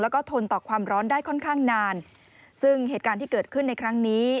แล้วก็ทนต่อความร้อนได้ค่อนข้างนานซึ่งเหตุการณ์ที่เกิดขึ้นในครั้งนี้